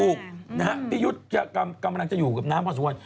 ถูกนะฮะพี่ยุทธ์กำลังจะอยู่กับน้ำพอสมควร